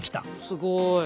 すごい。